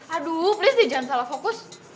aduh please deh jangan salah fokus